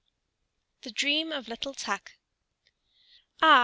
THE DREAM OF LITTLE TUK Ah!